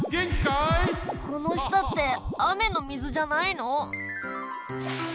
このしたってあめのみずじゃないの？